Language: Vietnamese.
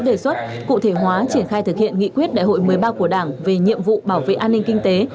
đề xuất cụ thể hóa triển khai thực hiện nghị quyết đại hội một mươi ba của đảng về nhiệm vụ bảo vệ an ninh kinh tế